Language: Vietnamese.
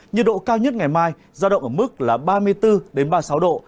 nhiệt độ cao nhất ngày mai gia động ở mức là ba mươi bốn đến ba mươi sáu độ